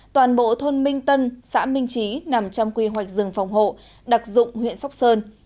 toàn bộ thôn minh tân xã minh trí nằm trong quy hoạch rừng phòng hộ đặc dụng huyện sóc sơn